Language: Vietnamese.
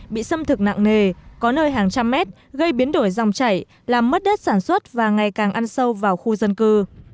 bị xâm thực nặng nề có nơi hàng trăm mét gây biến đổi dòng chảy làm mất đất sản xuất và ngày càng ăn sâu vào khu dân cư